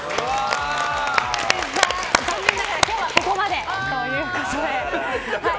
残念ながら今日はここまでということで。